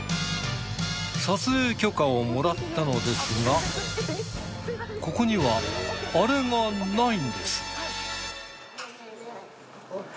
撮影許可をもらったのですがここにはアレがないんです。